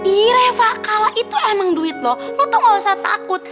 ih re fakala itu emang duit lo lo tuh nggak usah takut